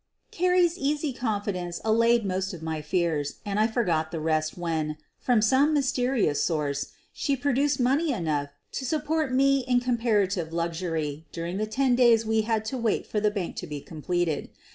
'' Carrie's easy confidence allayed most of my fears and I forgot the rest when, from some mysterious source, she produced money enough to support me in comparative luxury during the ten days we had to wait for the bank to be completed.